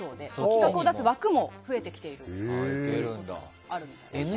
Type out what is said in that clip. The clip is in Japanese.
企画を出す枠も増えてきているそうです。